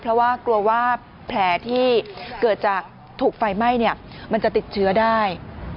เพราะว่ากลัวว่าแผลที่เกิดจากถูกไฟไหม้มันจะติดเชื้อได้